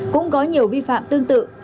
cũng có nhiều vi phạm tương tự